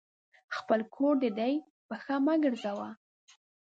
خپل کور دي دی ، پښه مه ګرځوه !